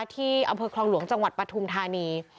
ที่อำเภอคลองหลวงจังหวัดปฐุมธานี